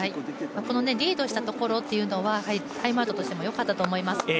リードしたところというのはタイムアウトしてもよかったと思います。